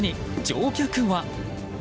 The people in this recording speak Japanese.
乗客は。